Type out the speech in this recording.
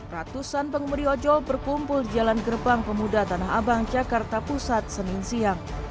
ratusan pengemudi ojol berkumpul di jalan gerbang pemuda tanah abang jakarta pusat senin siang